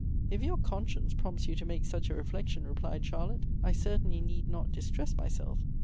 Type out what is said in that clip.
" If your conscience prompts you to make such a reflec tion," replied Charlotte, "I certainly need not distress myself.